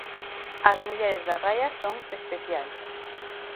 As mulleres da raia son especiais.